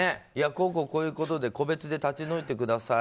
こうこういうことで、個別で立ち退いてください